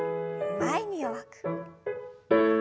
前に弱く。